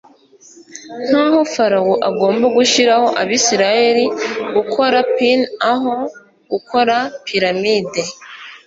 Nkaho Farawo agomba gushyiraho abisiraheli gukora pin aho gukora piramide